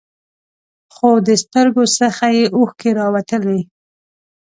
خو د سترګو څخه یې اوښکې راوتلې.